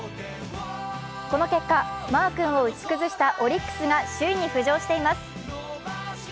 この結果、マー君を打ち崩したオリックスが首位に浮上しています。